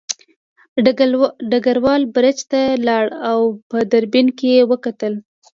ډګروال برج ته لاړ او په دوربین کې یې وکتل